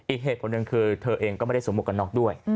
อีกเหตุผลหนึ่งคือเธอเองก็ไม่ได้สวมหวกกันน็อกด้วย